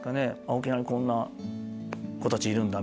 沖縄にこんな子たちいるんだ！